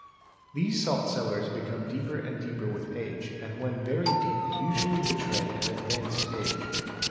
These salt cellars | become deeper and deeper with age and when very deep usually betray advanced age.